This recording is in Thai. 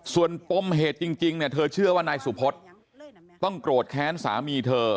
ส่วนปมเหตุจริงเนี่ยเธอเชื่อว่านายสุพฤษต้องโกรธแค้นสามีเธอ